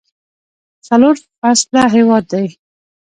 څلور فصله هیواد دی.